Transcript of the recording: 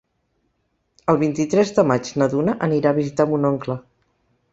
El vint-i-tres de maig na Duna anirà a visitar mon oncle.